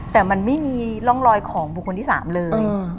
แต่มันไม่มีร่องรอยของบุคคลที่๓เลย